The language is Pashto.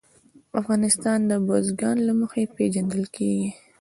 افغانستان د بزګان له مخې پېژندل کېږي.